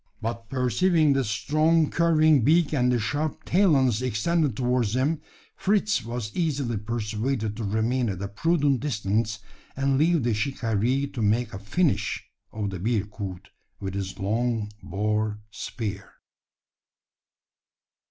But perceiving the strong curving beak and the sharp talons extended towards him, Fritz was easily persuaded to remain at a prudent distance, and leave the shikaree to make a finish of the bearcoot with his long boar spear.